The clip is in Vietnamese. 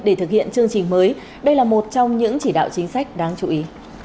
để thực hiện chương trình mới đây là một trong những chỉ đạo chính sách đáng chú ý